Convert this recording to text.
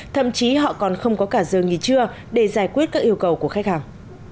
thậm chí họ còn không có cả giờ nghỉ trưa để giải quyết các yêu cầu của khách hàng